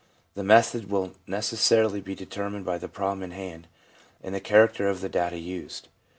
The method will necessarily be determined by the problem in hand and the character of the data used.